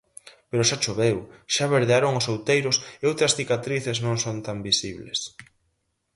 Pero xa choveu, xa verdearon os outeiros e outras cicatrices non son tan visibles.